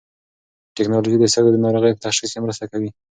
ټېکنالوژي د سږو د ناروغۍ په تشخیص کې مرسته کوي.